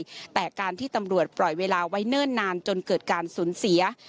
แต่การที่ตำรวจปล่อยเวลาไว้เนิ่นนานจนเกิดการสูญเสีย